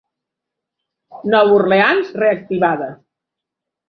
Nova Orleans reactivada.